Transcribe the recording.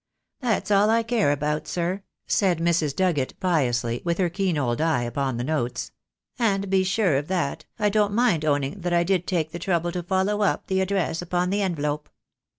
"That's all I care about, sir," said Mrs. Dugget, piously, with her keen old eye upon the notes, "and being sure of that, I don't mind owning that I did take the trouble to follow up the address upon the envelope.